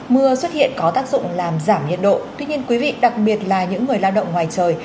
mưa xuất hiện có tác dụng làm giảm nhiệt độ tuy nhiên quý vị đặc biệt là những người lao động ngoài trời